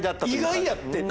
意外やってん。